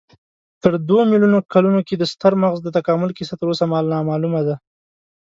تېرو دوو میلیونو کلونو کې د ستر مغز د تکامل کیسه تراوسه نامعلومه ده.